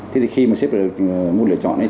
thế thì khi mà xếp vào môn lựa chọn ấy